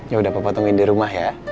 ya udah papa tungguin di rumah ya